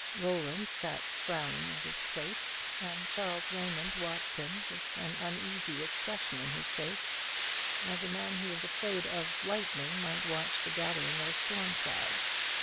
Roland sat frowning at his plate; and Charles Raymond watched him with an uneasy expression in his face; as a man who is afraid of lightning might watch the gathering of a storm cloud.